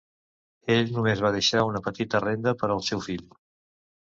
Ell només va deixar una petita renda per al seu fill.